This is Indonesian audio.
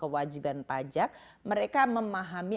wajiban pajak mereka memahami